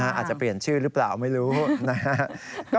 อาจจะเปลี่ยนชื่อหรือเปล่าไม่รู้นะครับ